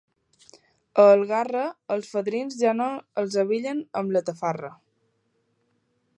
A Algarra, als fadrins ja no els abillen amb la tafarra.